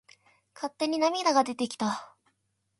勝手に涙が出てきた。